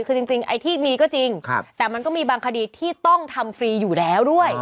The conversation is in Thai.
คือจริงไอ้ที่มีก็จริงแต่มันก็มีบางคดีที่ต้องทำฟรีอยู่แล้วด้วย